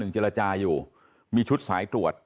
เจรจาอยู่มีชุดสายตรวจ